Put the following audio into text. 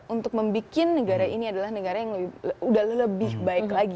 untuk membuat negara ini adalah negara yang udah lebih baik lagi